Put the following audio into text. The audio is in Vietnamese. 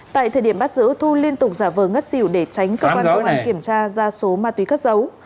tại thời điểm bắt giữ thu liên tục giả vờ ngất xỉu để tránh cơ quan công an kiểm tra ra số ma túy cất dấu